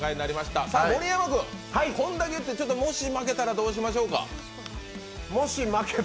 これだけ言ってもし負けたらどうしましょうか。